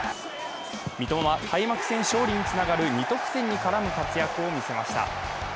三笘は開幕戦勝利につながる２得点に絡む活躍を見せました。